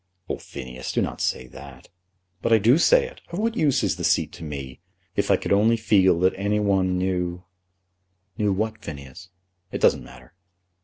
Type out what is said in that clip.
"Oh, Phineas, do not say that." "But I do say it. Of what use is the seat to me? If I could only feel that any one knew " "Knew what, Phineas?" "It doesn't matter."